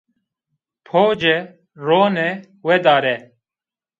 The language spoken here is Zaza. Poce, rone, wedare.